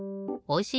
お！